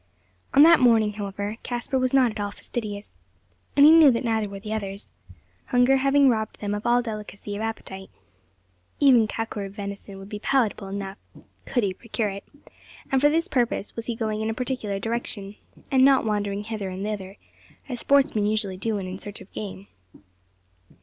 On that morning, however, Caspar was not at all fastidious; and he knew that neither were the others hunger having robbed them of all delicacy of appetite. Even kakur venison would be palatable enough, could he procure it; and for this purpose was he going in a particular direction, and not wandering hither and thither, as sportsmen usually do when in search of game.